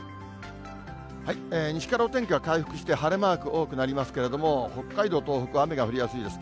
西からお天気は回復して、晴れマーク多くなりますけれども、北海道、東北、雨が降りやすいです。